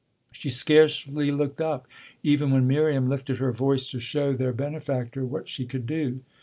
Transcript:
She scarcely looked up even when Miriam lifted her voice to show their benefactor what she could do.